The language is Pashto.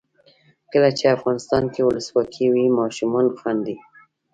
کله چې افغانستان کې ولسواکي وي ماشومان خاندي.